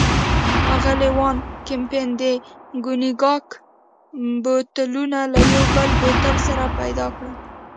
اغلې وان کمپن د کونیګاک بوتلونه له یو بل بوتل سره پيدا کړل.